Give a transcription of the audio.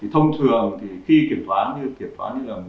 thông thường thì khi kiểm toán như kiểm toán như là